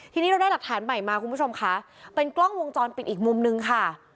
ทีนี้เราได้หลักฐานใหม่มาคุณผู้ชมค่ะเป็นกล้องวงจรปิดอีกมุมนึงค่ะ